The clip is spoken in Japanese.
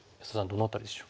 どの辺りでしょう？